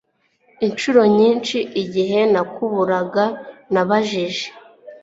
inshuro nyinshi igihe nakuraga, nabajije